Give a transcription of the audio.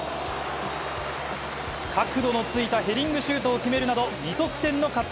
角度のついたヘディングシュートを決めるなど、２得点の活躍。